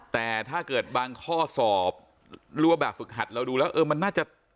แต่ถ้าเกิดบางข้อสอบหรือว่าแบบฝึกหัดเราดูแล้วเออมันน่าจะ